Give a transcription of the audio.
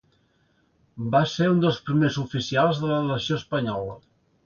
Va ser un dels primers oficials de la Legió Espanyola.